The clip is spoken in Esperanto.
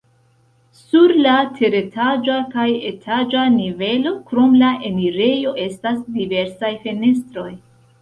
Sur la teretaĝa kaj etaĝa nivelo krom la enirejo estas diversaj fenestroj.